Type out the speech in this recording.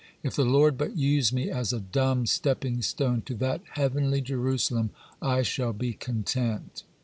If the Lord but use me as a dumb stepping stone to that heavenly Jerusalem, I shall be content.